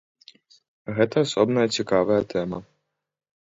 Гэта асобная цікавая тэма.